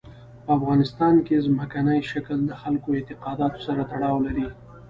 په افغانستان کې ځمکنی شکل د خلکو اعتقاداتو سره تړاو لري.